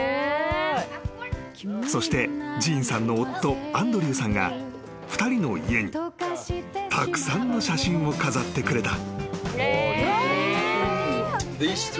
［そしてジーンさんの夫アンドリューさんが２人の家にたくさんの写真を飾ってくれた］